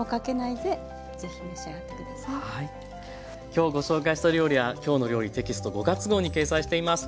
今日ご紹介した料理は「きょうの料理」テキスト５月号に掲載しています。